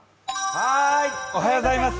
はーい、おはようございます。